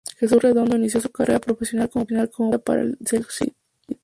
Jesús Redondo inició su carrera profesional como publicista para el sello Cid.